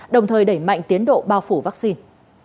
đồng thời đẩy mạnh tiến độ bao phủ vaccine